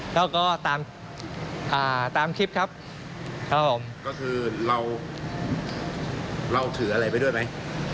แล้วก็ตามคลิปครับเราถืออะไรไปด้วยมั้ย